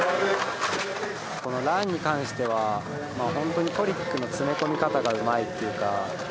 このランに関してはまあ本当にトリックの詰め込み方がうまいっていうか。